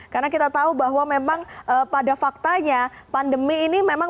karena kita tahu bahwa memang pada faktanya pandemi ini memang